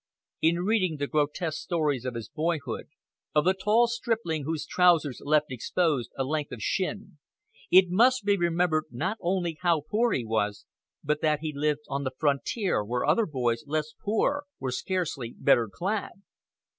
In reading the grotesque stories of his boyhood, of the tall stripling whose trousers left exposed a length of shin, it must be remembered not only how poor he was, but that he lived on the frontier, where other boys, less poor, were scarcely better clad.